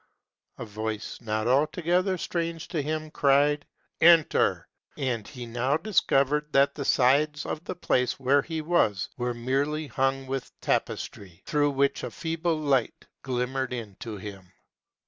A voice not altogether strange to him cried, "Enter! " and he now discovered that the sides of the place where he was were merely hung with tapestry, through which a feeble light glimmered in to him.